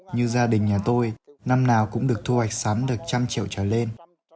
như gia đình nhà tôi năm nào cũng được thu hoạch sắn được trăm triệu trở lên